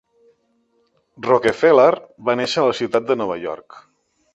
Rockefeller va néixer a la ciutat de Nova York.